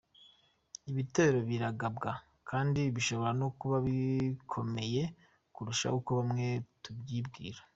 Ibitero biragabwa kandi bishobora no kuba bikomeye kurusha uko bamwe tubyibwira.